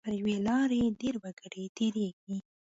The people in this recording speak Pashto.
پر یوې لارې ډېر وګړي تېریږي.